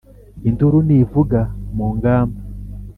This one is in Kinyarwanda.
Induru nivuga mu ngamba